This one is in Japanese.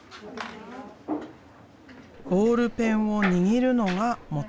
ボールペンを握るのが志基流。